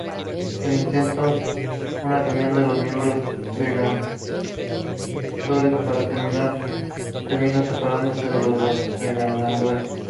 Él intentó una reunión de los miembros Vengadores, pero terminó separándose de los Vengadores.